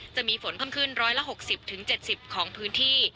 จะมีฝนเพิ่มขึ้น๑๖๐๗๐ของพื้นที่